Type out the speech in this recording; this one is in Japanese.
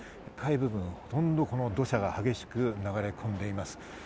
ほとんど土砂が激しく流れ込んでいます。